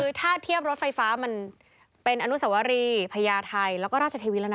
คือถ้าเทียบรถไฟฟ้ามันเป็นอนุสวรีพญาไทยแล้วก็ราชเทวีแล้วนะ